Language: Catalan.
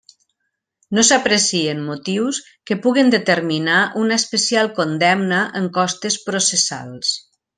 No s'aprecien motius que puguen determinar una especial condemna en costes processals.